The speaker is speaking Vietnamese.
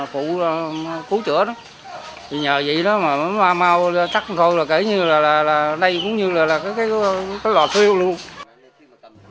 thì nhờ vậy đó mà mau tắt thôi là kể như là đây cũng như là cái